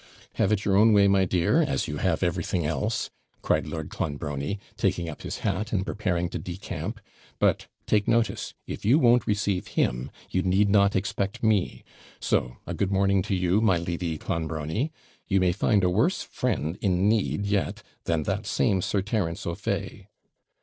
'Have it your own way, my dear, as you have everything else!' cried Lord Clonbrony, taking up his hat, and preparing to decamp; 'but, take notice, if you won't receive him you need not expect me. So a good morning to you, my Lady Clonbrony. You may find a worse friend in need, yet, than that same Sir Terence O'Fay.'